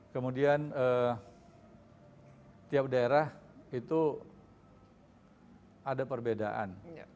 kemudian tiap daerah itu ada perbedaan